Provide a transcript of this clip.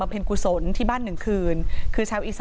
เพลงที่สุดท้ายเสียเต้ยมาเสียชีวิตค่ะ